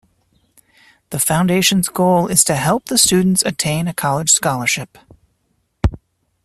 The Foundation's goal is to help the students attain a college scholarship.